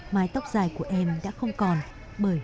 mái tóc dài của em đã không còn bởi hóa chất